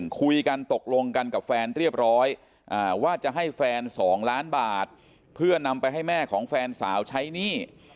คุยกันตกลงกันกับแฟนเรียบร้อยว่าจะให้แฟน๒ล้านบาทเพื่อนำไปให้แม่ของแฟนสาวใช้หนี้